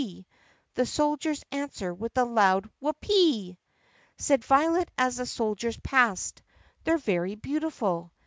da! ree! The soldiers answer with a loud "Whoopee!" vi Said Violet as the soldiers passed, "They 're very beautiful."